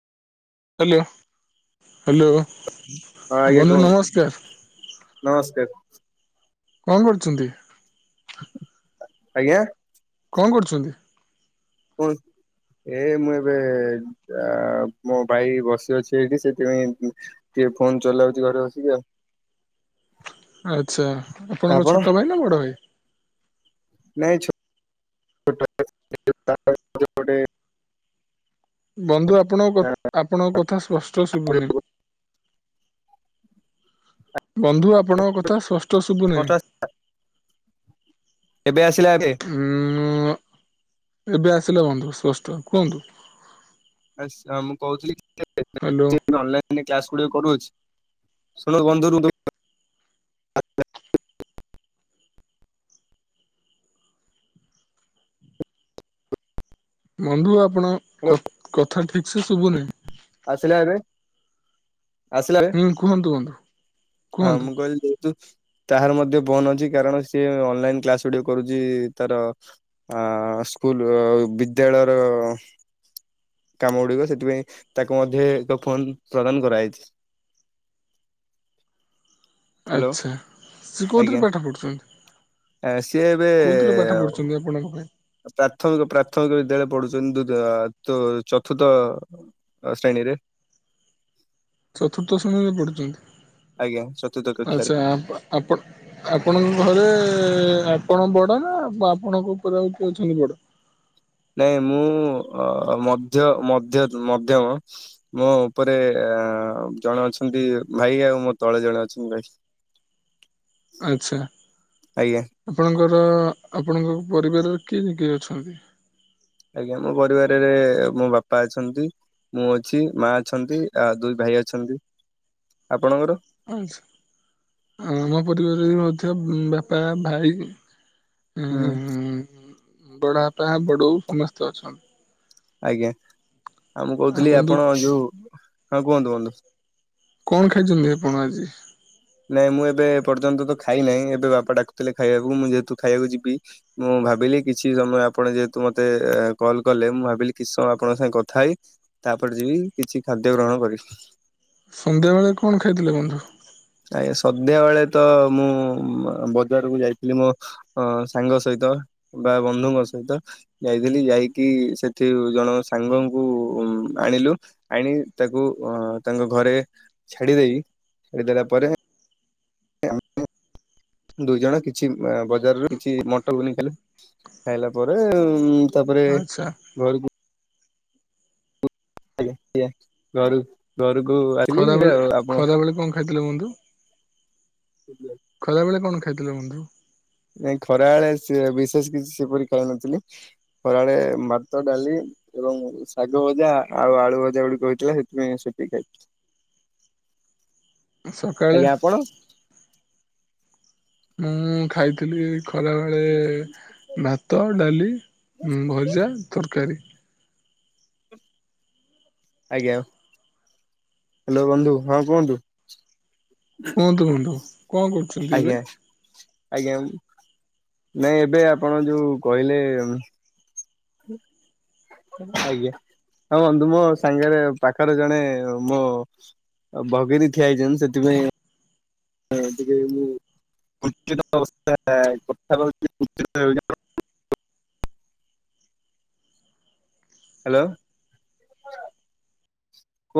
Hello hello ହଁ ଆଜ୍ଞା କୁହନ୍ତୁ ନମସ୍କାର। କଣ କରୁଛନ୍ତି? ଆଜ୍ଞା। କଣ କରୁଛନ୍ତି? କୁହନ୍ତୁ [unintelligible] ଏ ମୁଁ ଏବେ ମୋ ଭାଇ ବସିଅଛି ଏଇଠି ସେଥିପାଇଁ ଟିକେ ଫୋନ ଚଲାଉଛି ଘରେ ବସିକି ଆଉ। ଆଛା ଆପଣଙ୍କ ଆପଣ ଛୋଟ ଭାଇ ନା ବଡ ଭାଇ? ନାଇଁଛ ଗୋଟେ [unintelligible] ବନ୍ଧୁ ଆପଣଙ୍କ କ ଆପଣଙ୍କ କଥା ସ୍ପଷ୍ଟ ଶୁଭୁନି? ବନ୍ଧୁ ଆପଣଙ୍କ କଥା ସ୍ପଷ୍ଟ ଶୁଭୁନାହିଁ? ଏବେ ଆସିଲା ଏବେ? ଉ ଏବେ ଆସିଲା ବନ୍ଧୁ ସ୍ପଷ୍ଟ କୁହନ୍ତୁ? ଆଛା ମୁଁ କହୁଥିଲି ହ୍ୟାଲୋ [unintelligible] ଅନଲାଇନ୍ କ୍ଲାସ୍ ଗୁଡ଼ିକ କରୁଅଛି ଶୁଣ ବନ୍ଧୁ [unintelligible] ବନ୍ଧୁ ଆପଣ କ କଥା ଠିକ୍ ସେ ଶୁଭୁନି? ଆସିଲା ଏବେ? ଆସିଲା ଏବେ ହୁଁ କୁହନ୍ତୁ ବନ୍ଧୁ ହଁ କୁହନ୍ତୁ ମୁଁ କହିଲି ତାହାର ମଧ୍ୟ ଫୋନ୍ ଅଛି କାରଣ ସିଏ ଅନଲାଇନ କ୍ଲାସ ଗୁଡିକ କରୁଛି ତାର ଆ ସ୍କୁୂଲ ବିଦ୍ୟାଳୟର କାମ ଗୁଡିକ ସେଥିପାଇଁ ତାକୁ ମଧ୍ୟ ଏକ ଫୋନ ପ୍ରଦାନ କରାଯାଇଛି। ହ୍ୟାଲୋ ଆଛା। ସେ କୋଉଥିରେ ଆଜ୍ଞା ପାଠ ପଢୁଛନ୍ତି? ସିଏ ଏବେ କୋଉଥିରେ ପାଠ ପଢୁଛନ୍ତି ଆପଣଙ୍କ ଭାଇ? ପ୍ରାଥମିକ ପ୍ରାଥମିକ ବିଦ୍ୟାଳୟ ପଢୁଛନ୍ତି ଦୁଦ ତୁ ଚତୁର୍ଥ। ଓ ଶ୍ରେଣୀରେ। ଚତୁର୍ଥ ଶ୍ରଣୀରେ ଆଜ୍ଞା ଚତୁର୍ଥ ପଡୁଛନ୍ତି କକ୍ଷାରେ ଆଛା ଆପ ଆପଣ ଆପଣଙ୍କ ଘରେ ଆପଣ ବଡ ନା ଆପଣଙ୍କ ଉପରେ ଆଉ କିଏ ଅଛନ୍ତି ବଡ? ନାଇଁ ମୁଁ ମଧ୍ୟ ମଧ୍ୟ ମଧ୍ୟମ। ମୋ ଉପରେ ଅ ଜଣେ ଅଛନ୍ତି ଭାଇ ଆଉ ମୋ ତଳେ ଜଣେ ଅଛନ୍ତି ଭାଇ। ଆଚ୍ଛା ଆଜ୍ଞା ଆପଣଙ୍କର ଆପଣଙ୍କ ପରିବାରରେ କିଏ କିଏ ଅଛନ୍ତି? ଆଜ୍ଞା ମୋ ପରିବାରରେ ମୋ ବାପା ଅଛନ୍ତି ମୁଁ ଅଛି ମା ଅଛନ୍ତି ଆ ଦୁଇ ଭାଇ ଅଛନ୍ତି। ଆପଣଙ୍କର? ଆଛା ଆମ ପରିବାରରେ ମଧ୍ୟ ବାପା ଭାଇ ହୁଁ। ବଡ଼ବାପା ବଡ଼ବୋଉ ସମସ୍ତେ ଅଛନ୍ତି। ଆଜ୍ଞା ଆଉ ମୁଁ ଆଉ କହୁଥିଲି ବନ୍ଧୁ ଆପଣ ଯୋଉ ହଁ କୁହନ୍ତୁ କୁହନ୍ତୁ? କଣ ଖାଇଛନ୍ତି ଆପଣ ଆଜି? ନାଇଁ ମୁଁ ଏବେ ଏପର୍ଯ୍ୟନ୍ତ ତ ଖାଇ ନାହିଁ ଏବେ ବାପା ଡାକୁଥିଲେ ଖାଇବାକୁ ମୁଁ ଯେହେତୁ ଖାଇବାକୁ ଯିବି ମୁଁ ଭାବିଲି କିଛି ସମୟ ଆପଣ ଯେହେତୁ ମତେ କଲ କଲେ ମୁଁ ଭାବିଲି କିଛି ସମୟ ଆପଣଙ୍କ ସାଙ୍ଗେ କଥା ହେଇ ତାପରେ ଯିବି କିଛି ଖାଦ୍ୟ ଗ୍ରହଣ କରିବି। ସନ୍ଧ୍ୟାବେଳେ କଣ ଖାଇଥିଲେ ବନ୍ଧୁ। ଆଜ୍ଞା ସଧ୍ୟା ବେଳେ ତ ମୁଁ ବଜାରକୁ ଯାଇଥିଲି ମୋ ଅ ସାଙ୍ଗ ସହିତ ବା ବନ୍ଧୁଙ୍କ ସହିତ। ଯାଇଥିଲି ଯାଇକି ସେଠି ଜଣ ସାଙ୍ଗଙ୍କୁ ଆଣିଲୁ। ଆଣି ତାକୁ ଅ ତାଙ୍କ ଘରେ ଛାଡି ଦେଇ ଛାଡିଦେଲା ପରେ ଦୁଇ ଜଣ କିଛି ବଜାରରୁ କିଛି ମଟ ଘୁଗୁନି ଖାଇଲୁ ଖାଇଲା ପରେ ତାପରେ ଆଚ୍ଛା ଘରୁକୁ ଆଜ୍ଞା ଆଜ୍ଞା ଘରୁ ଘରୁକୁ ଆ ଖରାବେଳେ, ଖରାବେଳେ କଣ ଖାଇଥିଲେ ବନ୍ଧୁ? [unintelligible] ଖରାବେଳେ କଣ ଖାଇଥିଲ ବନ୍ଧୁ? ନାଇଁ ଖରାବେଳେ ସିଏ ବିଶେଷ କିଛି ସେପରି ଖାଇନଥିଲି, ଖରାବେଳେ ଭାତ ଡାଲି ଏବଂ ଶାଗ ଭଜା ଆଉ ଆଳୁ ଭଜା ଗୁଡିକ ହୋଇଥିଲା ସେଥିପାଇଁ ସେତିକି ଖାଇିଥିଲି। ସକାଳେ ଆଜ୍ଞା ଆପଣ? ମୁଁ ଖାଇଥିଲି ଖରାବେଳେ ଭାତ, ଡାଲି, ଭଜା, ତରକାରୀ। ଆଜ୍ଞା। ହାଲୋ ବନ୍ଧୁ ହଁ କୁହନ୍ତୁ। କୁହନ୍ତୁ କୁହନ୍ତୁ କଣ କରୁଛନ୍ତି ଏବେ? ଆଜ୍ଞା ଆଜ୍ଞା [unintelligible] ନାଇଁ ଏବେ ଆପଣ ଯୋଉ କହିଲେ ହୁଁ। ଆଜ୍ଞା। ହଁ ବନ୍ଧୁ, ମୋ ସାଙ୍ଗରେ ପାଖରେ ଜଣେ ମୋ ଭଗିନୀ ଠିଆ ହେଇଛନ୍ତି ସେଥିପାଇଁ [inaudible] ହାଲୋ